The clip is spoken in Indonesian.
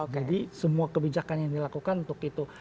jadi semua kebijakan yang dilakukan untuk itu